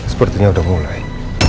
sepertinya udah mulai